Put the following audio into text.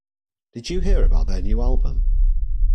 Did you hear about their new album?